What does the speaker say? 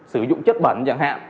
sử dụng chất bẩn chẳng hạn